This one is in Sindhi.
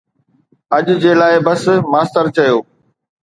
”اڄ جي لاءِ بس،“ ماسٽر چيو.